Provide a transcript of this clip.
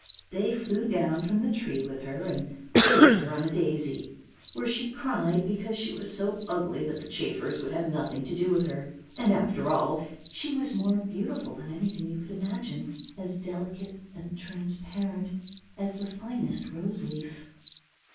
They flew down from the tree with her and placed her on a daisy, where she cried because she was so ugly that the chafers would have nothing to do with her; and after all, she was more beautiful than anything you could imagine, as delicate and transparent as the finest rose leaf.